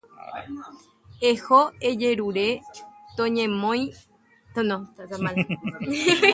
Eho ejerure toñemoĩ peteĩ purahéi porã.